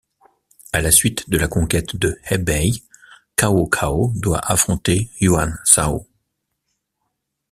À la suite de la conquête de He'bei, Cao Cao doit affronter Yuan Shao.